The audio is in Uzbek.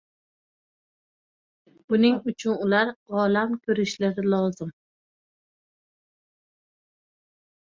Buning uchun ular olam ko‘rishlari lozim.